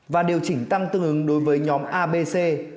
và điều chỉnh tăng tương ứng đối với nhóm abc